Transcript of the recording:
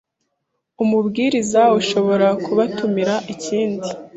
Umubwiriza Ushobora kubatumira ikindi